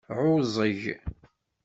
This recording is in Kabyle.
Ɛuẓẓeg.